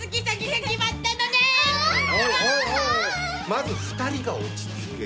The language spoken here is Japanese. まず２人が落ち着け。